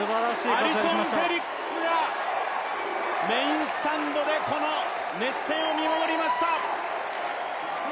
アリソン・フェリックスがメインスタンドでこの熱戦を見守りました。